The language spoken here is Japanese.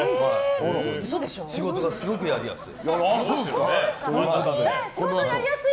仕事がすごくやりやすい。